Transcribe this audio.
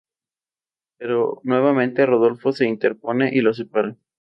Pero nuevamente, Rodolfo se interpone y los separa.